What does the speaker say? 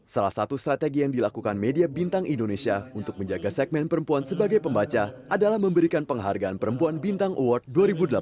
salah satu strategi yang dilakukan media bintang indonesia untuk menjaga segmen perempuan sebagai pembaca adalah memberikan penghargaan perempuan bintang award dua ribu delapan belas